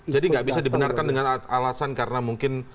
jadi nggak bisa dibenarkan dengan alasan karena mungkin